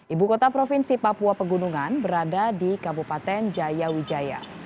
ibu kota provinsi papua pegunungan berada di kabupaten jaya wijaya